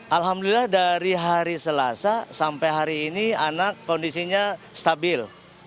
alhamdulillah dari hari selasa sampai hari ini anak kondisinya stabil